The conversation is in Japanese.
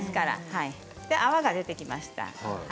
泡が出ていきました。